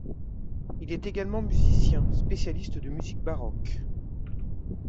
Il est également musicien, spécialiste de musique baroque.